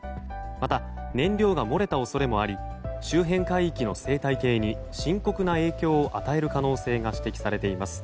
また、燃料が漏れた恐れもあり周辺海域の生態系に深刻な影響を与える可能性が指摘されています。